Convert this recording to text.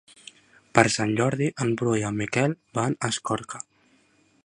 Per Sant Jordi en Bru i en Miquel van a Escorca.